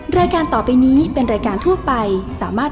โหลดแล้วโหลดหรือยัง